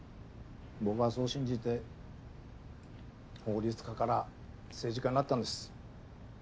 僕はそう信じて法律家から政治家になったんです。